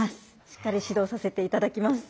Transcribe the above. しっかり指導させて頂きます。